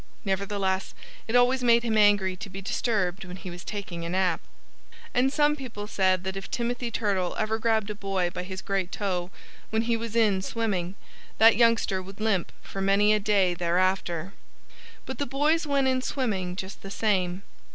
Nevertheless it always made him angry to be disturbed when he was taking a nap. And some people said that if Timothy Turtle ever grabbed a boy by his great toe, when he was in swimming, that youngster would limp for many a day thereafter. But the boys went in swimming just the same.